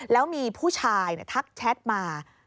แล้วมีผู้ชายทักแชทมา